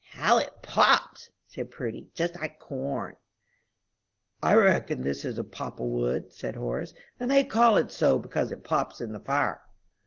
"How it pops!" said Prudy, "just like corn." "I reckon this is popple wood," said Horace, "and they call it so because it pops in the fire."